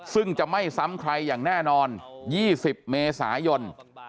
ซึ่งจะไม่ซ้ำใครอย่างแน่นอน๒๐เมษายน